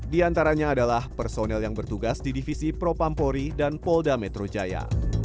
di antaranya adalah personel yang bertugas di divisi propampori dan polda metro jaya